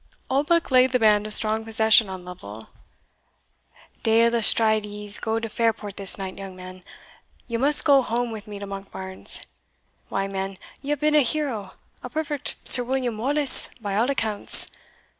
Oldbuck laid the band of strong possession on Lovel "Deil a stride ye's go to Fairport this night, young man you must go home with me to Monkbarns. Why, man, you have been a hero a perfect Sir William Wallace, by all accounts.